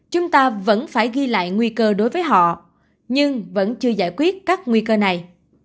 chúng ta vẫn phải ghi lại nguy cơ đối với họ nhưng vẫn chưa giải quyết các nguy cơ này